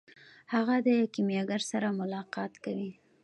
هغه د کیمیاګر سره ملاقات کوي.